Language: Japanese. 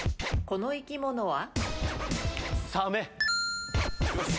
この生き物は？